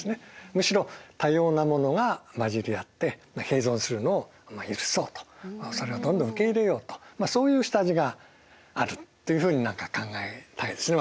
むしろ多様なものが混じり合って併存するのを許そうとそれをどんどん受け入れようとそういう下地があるっていうふうに何か考えたいですね。